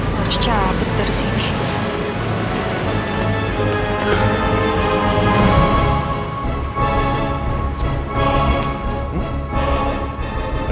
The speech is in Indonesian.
harus cabut dari sini